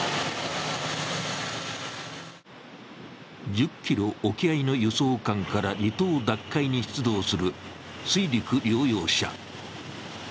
１０ｋｍ沖合の輸送艦から離島奪回に出動する水陸両用車。